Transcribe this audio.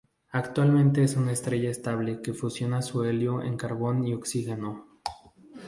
Actualmente es una estrella estable que fusiona su helio en carbono y oxígeno.